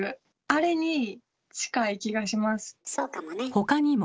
他にも。